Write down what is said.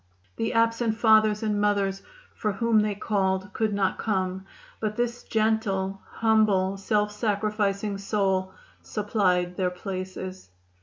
The absent fathers and mothers for whom they called could not come, but this gentle, humble, self sacrificing soul supplied their places.